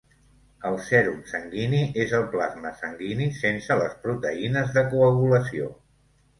El sèrum sanguini és el plasma sanguini sense les proteïnes de coagulació.